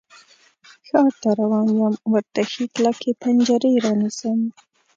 ښار ته روان یم، ورته ښې کلکې پنجرې رانیسم